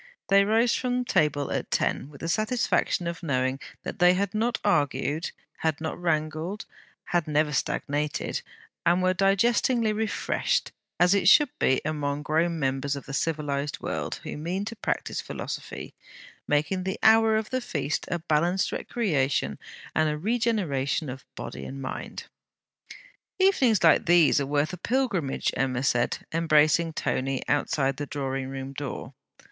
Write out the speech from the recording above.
They rose from table at ten, with the satisfaction of knowing that they had not argued, had not wrangled, had never stagnated, and were digestingly refreshed; as it should be among grown members of the civilized world, who mean to practise philosophy, making the hour of the feast a balanced recreation and a regeneration of body and mind. 'Evenings like these are worth a pilgrimage,' Emma said, embracing Tony outside the drawing room door.